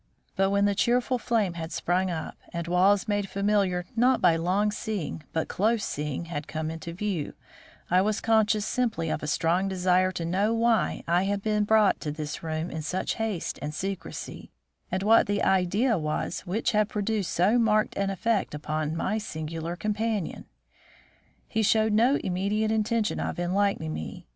But when the cheerful flame had sprung up, and walls made familiar not by long seeing but close seeing had come into view, I was conscious simply of a strong desire to know why I had been brought to this room in such haste and secrecy, and what the "idea" was which had produced so marked an effect upon my singular companion. He showed no immediate intention of enlightening me.